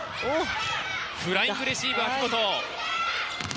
フライングレシーブ、秋本。